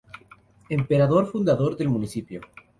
Emperador, fundador del municipio.